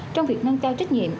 trong việc nâng cao trách nhiệm